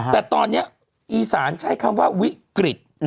แต่ตอนนี้อีสานใช้คำว่าวิกฤต